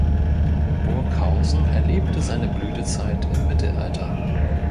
Burghausen erlebte seine Blütezeit im Mittelalter.